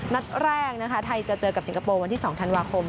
นัดแรกนะคะไทยจะเจอกับสิงคโปร์วันที่๒ธันวาคม